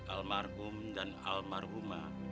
almarhum dan almarhumah